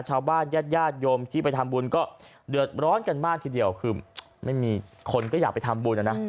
ญาติญาติโยมที่ไปทำบุญก็เดือดร้อนกันมากทีเดียวคือไม่มีคนก็อยากไปทำบุญนะนะ